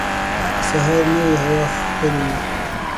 د سهار نوی هوا ښکلی وي.